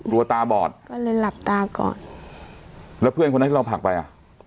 วัวตาบอดก็เลยหลับตาก่อนแล้วเพื่อนคนนั้นที่เราผลักไปอ่ะ